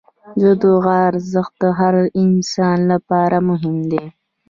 د دعا ارزښت د هر انسان لپاره مهم دی.